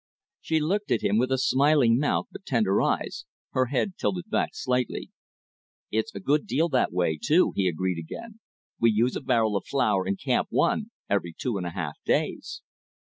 She looked at him with a smiling mouth but tender eyes, her head tilted back slightly. "It's a good deal that way, too," he agreed again. "We use a barrel of flour in Camp One every two and a half days!"